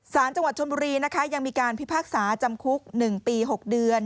สารจังหวัดชนบุรีนะคะยังมีการพิพากษาจำคุก๑ปี๖เดือน